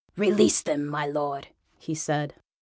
"Release them, my Lord," he said.